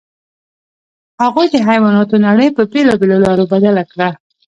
هغوی د حیواناتو نړۍ په بېلابېلو لارو بدل کړه.